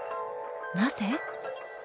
なぜ？